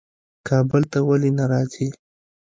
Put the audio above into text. کابل ته ولي نه راځې؟